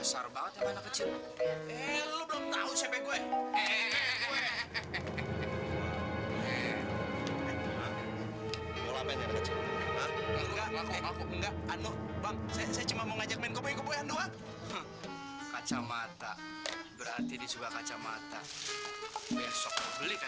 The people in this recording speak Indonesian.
sampai jumpa di video selanjutnya